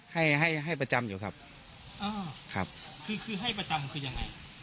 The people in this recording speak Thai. ให้ประจำอยู่ครับครับคือให้ประจำคือยังไง